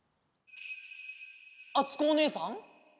あつこおねえさん？